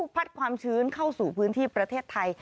พัดความชื้นเข้าสู่พื้นที่ประเทศไทย